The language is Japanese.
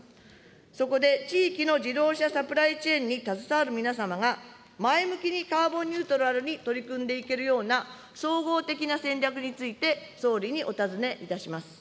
そこで地域の自動車サプライチェーンに携わる皆様が、前向きにカーボンニュートラルに取り組んでいけるような総合的な戦略について、総理にお尋ねいたします。